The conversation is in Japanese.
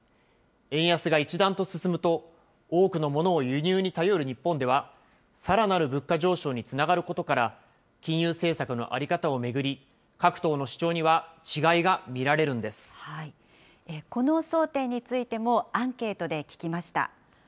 円安が一段と進むと、多くのものを輸入に頼る日本では、さらなる物価上昇につながることから、金融政策の在り方を巡り、各党の主張には違いが見られるんこの争点についてもアンケートで聞きました。